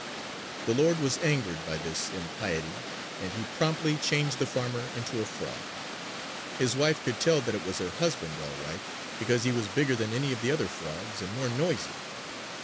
"The Lord was angered by this impiety and He promptly changed the farmer into a frog. His wife could tell that it was her husband all right because he was bigger than any of the other frogs and more noisy.